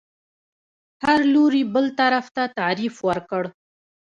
هر لوري بل ته تعریف ورکړ